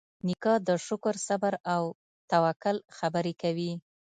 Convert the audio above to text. نیکه د شکر، صبر، او توکل خبرې کوي.